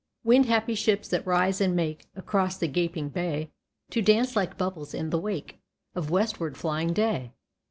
Wind happy ships, that rise and make Across the gaping bay, To dance like bubbles in the wake Of westward flying day.